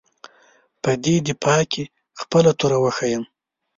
په دې دفاع کې خپله توره وښیيم.